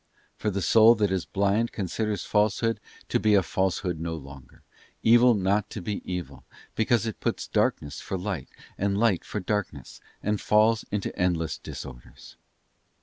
For the soul that is blind considers falsehood to be falsehood no longer, evil not to be evil, because it puts darkness for light, and light for darkness, and falls into endless disorders.